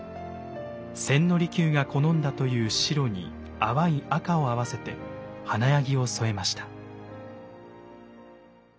千利休が好んだという白に淡い赤を合わせて華やぎを添えました。